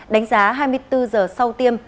đánh giá hai mươi bốn giờ sau tiêm